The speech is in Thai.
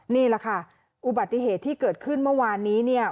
นี่แหละค่ะอุบัติเหตุที่เกิดขึ้นเมื่อวานนี้เนี่ย